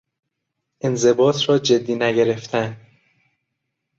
انضباط را جدی نگرفتن